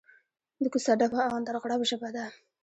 د کوڅه ډب او اندرغړب ژبه ده.